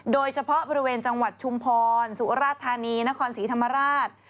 โดยเฉพาะบริเวณจังหวัดชุมพรสุราธานีนครศรีธรรมราช